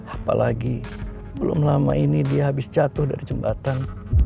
apalagi belum lama ini dia habis jatuh dari jembatan